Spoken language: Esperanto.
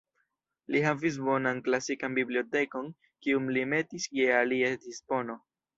Li havis bonan klasikan bibliotekon, kiun li metis je alies dispono.